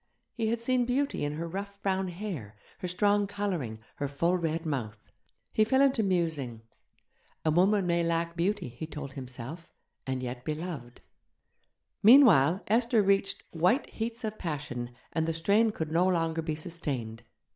He had seen beauty in her rough brown hair, her strong colouring, her full red mouth. He fell into musing ... a woman may lack beauty, he told himself, and yet be loved.... Meanwhile Esther reached white heats of passion, and the strain could no longer be sustained.